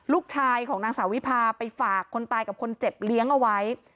ลูกชายของนางสาววิพาไปฝากคนตายกับคนเจ็บเลี้ยงเอาไว้